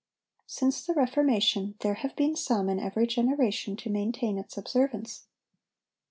Since the Reformation, there have been some in every generation to maintain its observance.